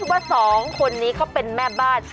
ว่าสองคนนี้เขาเป็นแม่บ้าน